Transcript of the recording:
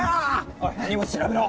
おい荷物調べろ。